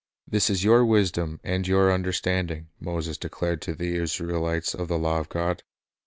"This is your wisdom and your under standing," Moses declared to the Israelites of the law of God.